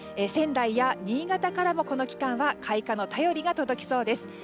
仙台や新潟からもこの期間は開花の便りが届きそうです。